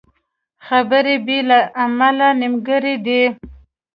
خبرې بې له عمله نیمګړې دي